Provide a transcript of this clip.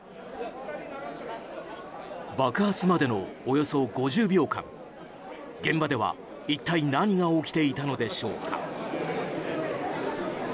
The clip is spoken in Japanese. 爆発までのおよそ５０秒間現場では一体何が起きていたのでしょうか。